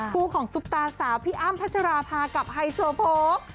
คู่ของซุปตาสาวพี่อ้ำพัชราภากับไฮโซโพก